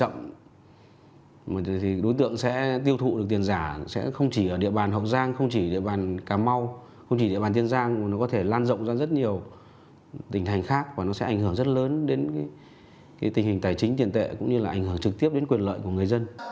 thì đối tượng sẽ tiêu thụ được tiền giả sẽ không chỉ ở địa bàn hậu giang không chỉ địa bàn cà mau không chỉ địa bàn tiên giang mà nó có thể lan rộng ra rất nhiều tỉnh thành khác và nó sẽ ảnh hưởng rất lớn đến tình hình tài chính tiền tệ cũng như là ảnh hưởng trực tiếp đến quyền lợi của người dân